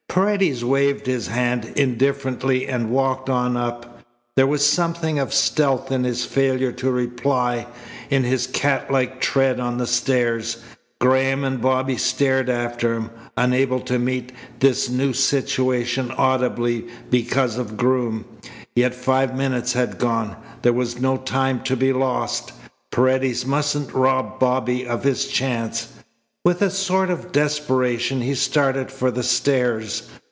Paredes waved his hand indifferently and walked on up. There was something of stealth in his failure to reply, in his cat like tread on the stairs. Graham and Bobby stared after him, unable to meet this new situation audibly because of Groom. Yet five minutes had gone. There was no time to be lost. Paredes mustn't rob Bobby of his chance. With a sort of desperation he started for the stairs.